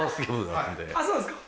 そうなんですか。